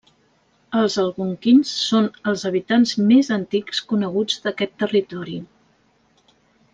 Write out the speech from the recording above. Els Algonquins són els habitants més antics coneguts d'aquest territori.